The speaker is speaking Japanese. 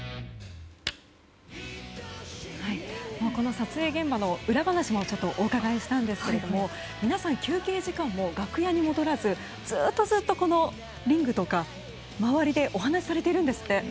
撮影現場の裏話もお伺いしたんですが皆さん、休憩時間も楽屋に戻らず、ずっとずっとこのリングとか周りでお話をされているんですって。